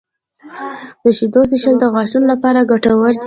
• د شیدو څښل د غاښونو لپاره ګټور دي.